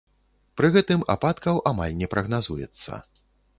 Пры гэтым ападкаў амаль не прагназуецца.